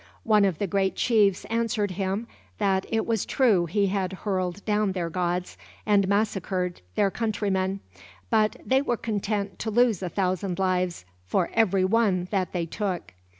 One of the great chiefs answered him that it was true he had hurled down their gods, and massacred their countrymen; but they were content to lose a thousand lives for every one that they took.